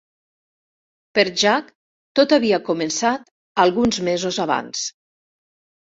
Per Jack, tot havia començat alguns mesos abans.